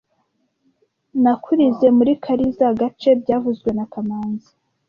Nakurizoe muri karizoa gace byavuzwe na kamanzi